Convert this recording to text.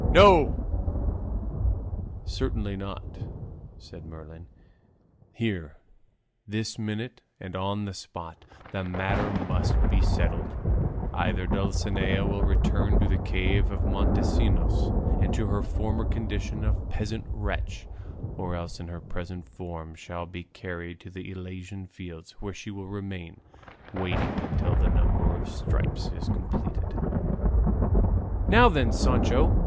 "No, certainly not," said Merlin; "here, this minute, and on the spot, the matter must be settled; either Dulcinea will return to the cave of Montesinos and to her former condition of peasant wench, or else in her present form shall be carried to the Elysian fields, where she will remain waiting until the number of stripes is completed." "Now then, Sancho!"